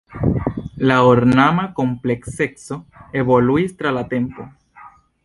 La ornama komplekseco evoluis tra la tempo.